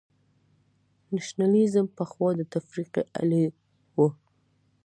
نېشنلېزم پخوا د تفرقې الې وه.